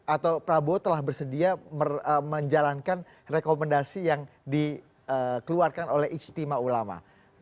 atau prabowo telah bersedia menjalankan rekomendasi yang dikeluarkan oleh istimewa ulama